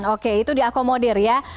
oke itu diakomodir ya